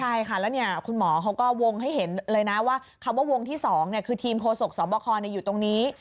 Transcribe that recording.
ใช่ค่ะแล้วคุณหมอเขาก็วงให้เห็นเลยนะว่าคำว่าวงที่๒คือทีมโฆษกสบคอยู่ตรงนี้